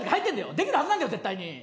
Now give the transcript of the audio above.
できるはずなんだよ絶対に。